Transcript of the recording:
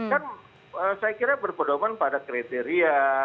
kan saya kira berpedoman pada kriteria